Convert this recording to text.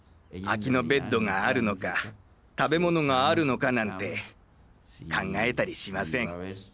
空きのベッドがあるのか食べ物があるのかなんて考えたりしません。